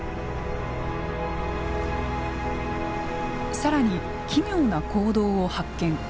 更に奇妙な行動を発見。